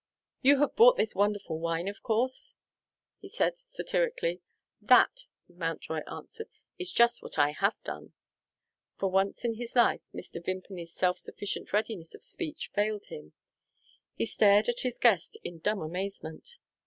"You have bought this wonderful wine, of course?" he said satirically. "That," Mountjoy answered, "is just what I have done." For once in his life, Mr. Vimpany's self sufficient readiness of speech failed him. He stared at his guest in dumb amazement.